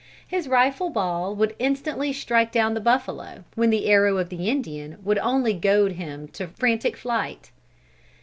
His rifle ball would instantly strike down the buffalo, when the arrow of the Indian would only goad him to frantic flight.